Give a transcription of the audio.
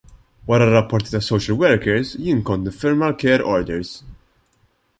Wara r-rapporti tas-social workers jien kont niffirma l-care orders.